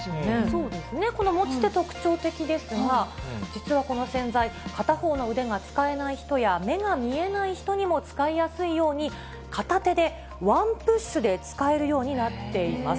そうですね、この持ち手、特徴的ですが、実はこの洗剤、片方の腕が使えない人や、目が見えない人にも使いやすいように、片手でワンプッシュで使えるようになっています。